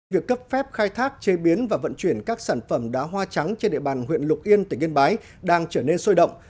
việc cấp phép khai thác chế biến và vận chuyển các sản phẩm đá hoa trắng trên địa bàn huyện lục yên tỉnh yên bái đang trở nên sôi động